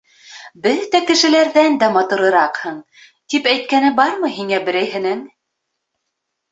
— Бөтә кешеләрҙән дә матурыраҡһың, тип әйткәне бармы һиңә берәйһенең?